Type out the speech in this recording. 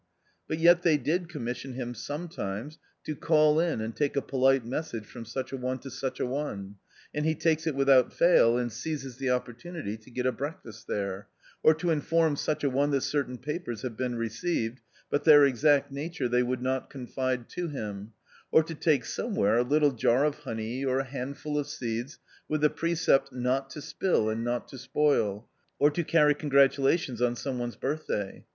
But yet they did commission him sometimes to call in and take a polite message from such a one to such a one, and he takes it without fail and seizes the opportunity to get a breakfast there ; or to inform such a one that certain papers have been received, but their exact nature they would not confide to him ; or to take somewhere a little jar of honey or a handful of seeds with the precept " not to spill and not to spoil ;" or to carry congratulations on some one's birthday.